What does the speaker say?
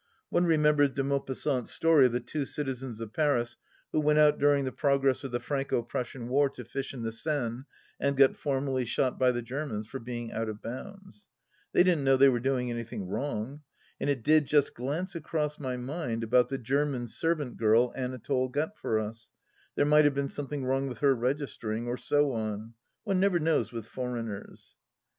One remembers De Maupassant's story of the two citizens of Paris who went out during the progress of the Franco Prussian war to fish in the Seine, and got formally shot by the Germans for being out of bounds. They didn't know they were doing anything wrong. And it did just glance across my mind about the German servant girl Anatole got for us— there might have been something wrong with her registering, or so on. One never knows with foreigners.